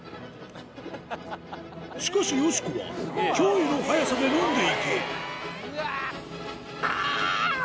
しかしよしこは驚異の速さで飲んでいくあぁ！